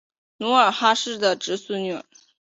努尔哈赤的侄孙女。